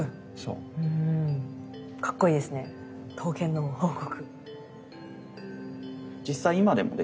うんかっこいいですね刀剣の王国。